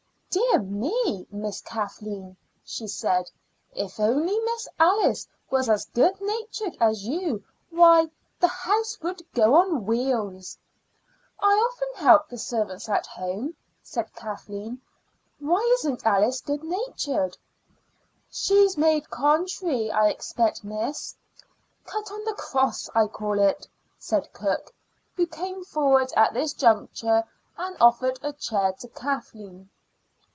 "Dear me, Miss Kathleen!" she said; "if only Miss Alice was as good natured as you, why, the house would go on wheels." "I often helped the servants at home," said Kathleen. "Why isn't Alice good natured?" "She's made contrairy, I expect, miss." "Cut on the cross, I call it," said cook, who came forward at this juncture and offered a chair to Kathleen.